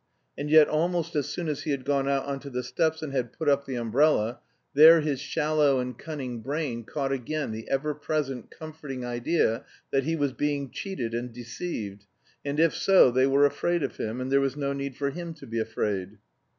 And yet almost as soon as he had gone out on to the steps and had put up the umbrella, there his shallow and cunning brain caught again the ever present, comforting idea that he was being cheated and deceived, and if so they were afraid of him, and there was no need for him to be afraid.